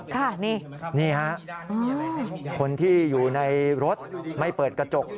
ค่ะนี่ฮะคนที่อยู่ในรถไม่เปิดกระจก